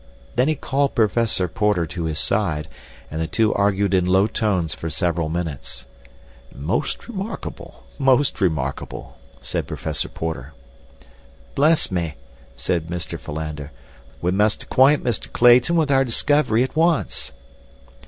Then he called Professor Porter to his side, and the two argued in low tones for several minutes. "Most remarkable, most remarkable," said Professor Porter. "Bless me," said Mr. Philander, "we must acquaint Mr. Clayton with our discovery at once."